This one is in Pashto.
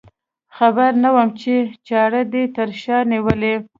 خبر نه وم چې چاړه دې تر شا نیولې.